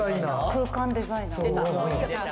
空間デザイナー。